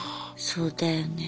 そうだよね。